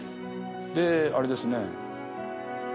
であれですね